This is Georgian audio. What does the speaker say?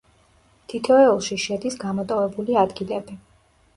თითოეულში შედის გამოტოვებული ადგილები.